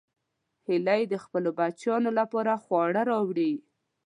هیلۍ د خپلو بچیانو لپاره خواړه راوړي